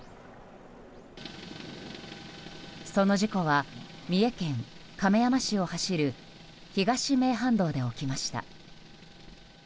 その事故は三重県亀山市を走る東名阪道で起きました。